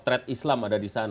sekarang itu pendepan